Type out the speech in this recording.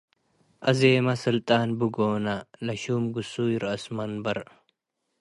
አዜመ ስልጣን ብጎነ - ለሹም ግሱይ ረአስ መንበር